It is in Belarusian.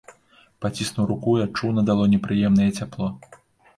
Паціснуў руку і адчуў на далоні прыемнае цяпло.